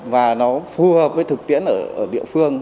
và nó phù hợp với thực tiễn ở địa phương